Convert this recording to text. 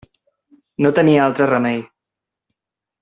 No tenia altre remei.